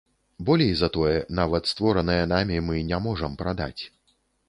Болей за тое, нават створанае намі мы не можам прадаць.